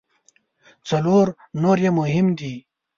څلور نور یې مهم دي.